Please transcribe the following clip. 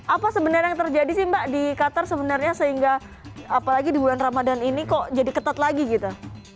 apa sebenarnya yang terjadi sih mbak di qatar sebenarnya sehingga apalagi di bulan ramadan ini kok jadi ketat lagi gitu